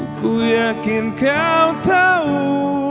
aku yakin kau tahu